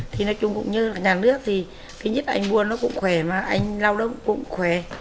thì nói chung cũng như nhà nước thì cái nhất là anh buôn nó cũng khỏe mà anh lau đó cũng khỏe